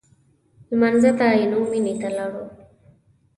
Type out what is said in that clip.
لمانځه ته عینومېنې ته ولاړو.